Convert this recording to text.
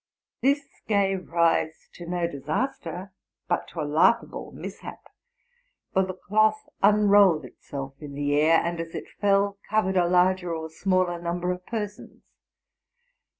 This gave rise to no disaster, but to a laughable mishap; for the cloth unrolled itself in the air, and, as it fell, covered a larger or smaller number of persons.